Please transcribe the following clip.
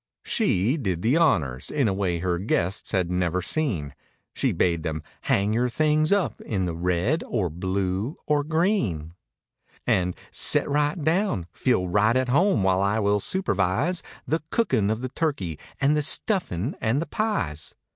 She "did the honors" in a way her guests had never seen; She bade them "Hang your things up in the 'red' or 'blue' or 'green' 98 And "set right down—feel right at home while I will supervise The cookin' of the turkey and the stuffin' and the pies."